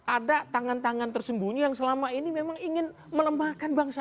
ada tangan tangan tersembunyi yang selama ini memang ingin melemahkan bangsa